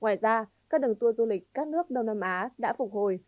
ngoài ra các đường tour du lịch các nước đông nam á đã phục hồi